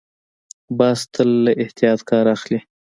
باز تل له احتیاط کار اخلي